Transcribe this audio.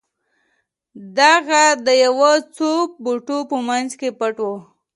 دا غار د یو څو بوټو په مینځ کې پټ و